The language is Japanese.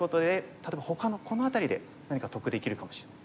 例えばほかのこの辺りで何か得できるかもしれない。